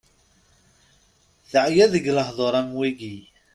Teɛya deg lehdur am wigi.